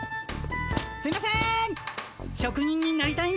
すいません。